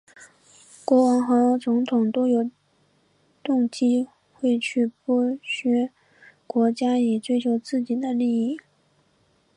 国王和总统都有动机会去剥削国家以追求自己的利益。